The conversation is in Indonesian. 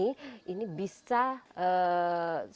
bagaimana siswa ini bisa sesuai dengan kata layaknya